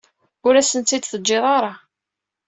Ur asen-t-id-teǧǧiḍ ara.